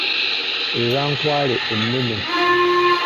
Eba nkwale ennene.